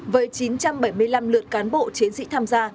với chín trăm bảy mươi năm lượt cán bộ chiến sĩ tham gia